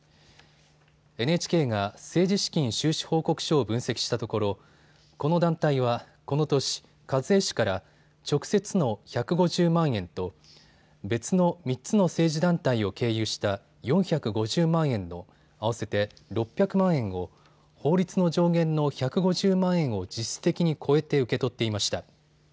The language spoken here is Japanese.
ＮＨＫが政治資金収支報告書を分析したところこの団体はこの年、一衛氏から直接の１５０万円と別の３つの政治団体を経由した４５０万円の合わせて６００万円を法律の上限の１５０万円を実質的に超えて受け取っていました。